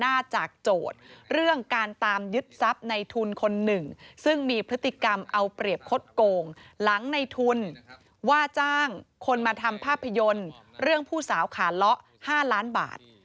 ว่าจ้างคนมาทำภาพยนตร์เรื่องผู้สาวขาเลาะ๕ล้านบาท